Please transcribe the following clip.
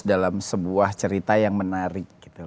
dalam sebuah cerita yang menarik gitu